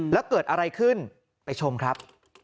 แล้วเกิดอะไรขึ้นไปชมครับ